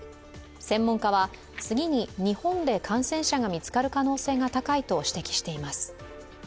専門家は、次に日本で感染者が見つかる可能性が高いと指摘しています。